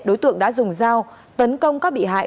đối tượng đã dùng dao tấn công các bị hại